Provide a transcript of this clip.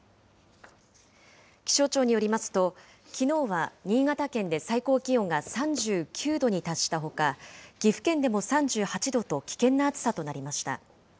気象庁によりますと、きのうは新潟県で最高気温が３９度に達したほか、岐阜県でも３８度と、危険な暑さとなりました。